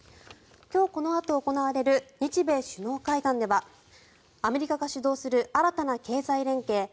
今日このあと行われる日米首脳会談ではアメリカが主導する新たな経済連携